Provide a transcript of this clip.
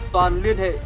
toàn liên hệ